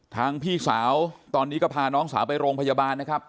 พี่สาวตอนนี้ก็พาน้องสาวไปโรงพยาบาลนะครับ